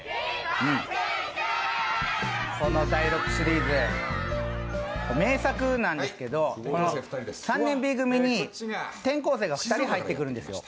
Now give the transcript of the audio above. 第６シリーズ、名作なんですけど、３年Ｂ組に転校生が２人入ってくるんですよ。